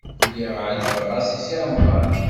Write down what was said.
Lliɣ ɛejbeɣ-as i Si Remḍan.